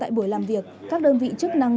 tại buổi làm việc các đơn vị chức năng